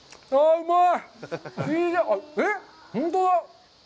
うまい！